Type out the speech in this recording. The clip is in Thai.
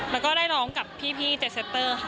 แล้วก็ได้ร้องกับพี่เจเซตเตอร์ค่ะ